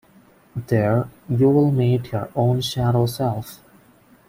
There, you will meet your own shadow self.